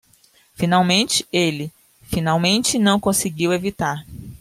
Finalmente, ele finalmente não conseguiu evitar.